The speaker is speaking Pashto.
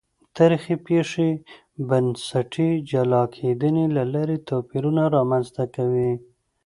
تاریخي پېښې بنسټي جلا کېدنې له لارې توپیرونه رامنځته کوي.